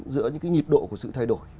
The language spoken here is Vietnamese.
giữa những nhiệt độ của sự thay đổi